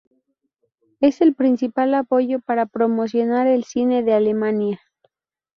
Es el principal apoyo para promocionar el cine de Alemania.